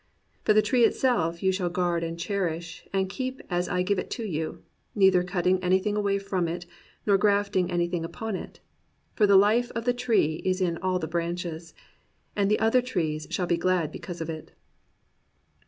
But the tree itself you shall guard and cherish and keep as I give it you, neither cutting anything away from it, nor grafting any thing upon it; for the life of the tree is in all the branches, and the other trees shall be glad because of it."